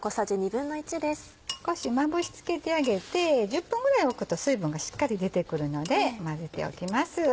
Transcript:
少しまぶし付けてあげて１０分ぐらい置くと水分がしっかり出てくるので混ぜておきます。